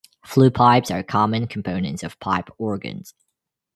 Flue pipes are common components of pipe organs.